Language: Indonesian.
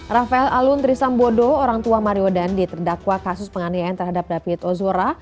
rafael alun trisambodo orang tua mario dandi terdakwa kasus penganiayaan terhadap david ozora